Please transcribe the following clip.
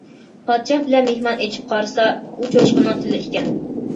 پادىشاھ بىلەن مېھمان ئېچىپ قارىسا، ئۇ چوشقىنىڭ تىلى ئىكەن.